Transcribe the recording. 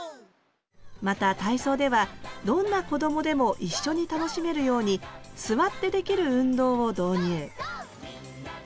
また体操ではどんなこどもでも一緒に楽しめるように座ってできる運動を導入